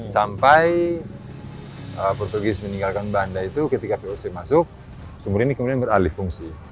sampai portugis meninggalkan banda itu ketika voc masuk sumur ini kemudian beralih fungsi